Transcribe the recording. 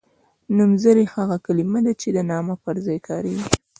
نومځری هغه کلمه ده چې د نامه پر ځای کاریږي.